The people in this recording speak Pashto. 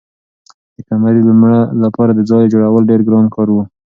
د قمرۍ لپاره د ځالۍ جوړول ډېر ګران کار و.